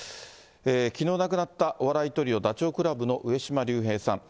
きのう亡くなったお笑いトリオ、ダチョウ倶楽部の上島竜兵さん。